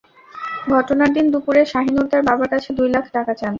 ঘটনার দিন দুপুরে শাহিনুর তাঁর বাবার কাছে দুই লাখ টাকা চান।